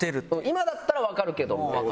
今だったらわかるけどみたいな。